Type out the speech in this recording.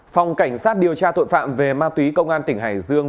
phòng cảnh sát điều tra tội phạm về ma túy công an tỉnh hải dương